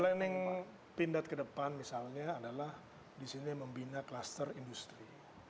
planning pindad ke depan misalnya adalah di sini membina kluster industri